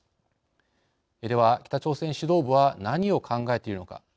では、北朝鮮指導部は何を考えているのか。